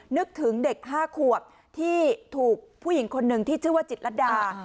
นึกถึงเด็ก๕ขวบที่ถูกผู้หญิงคนหนึ่งที่ชื่อว่าจิตรดา